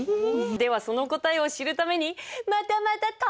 ではその答えを知るためにまたまた登場！